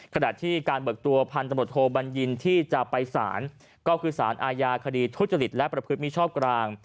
ขณะที่การเบิกตัวพันธบทโทบัญญินที่จะไปสารก็คือสารอาญาคดีทุจริตและประพฤติมิชชอบกลาง